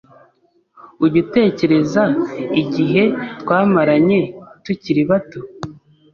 Ujya utekereza igihe twamaranye tukiri bato?